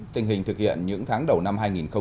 tình hình thực hiện những tháng đầu năm hai nghìn hai mươi